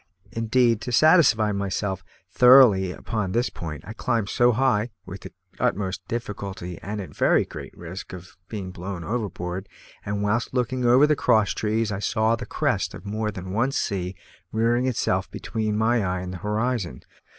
Indeed, to satisfy myself thoroughly upon this point I climbed so high (with the utmost difficulty, and at very great risk of being blown overboard), and whilst looking over the cross trees, I saw the crest of more than one sea rearing itself between my eye and the horizon.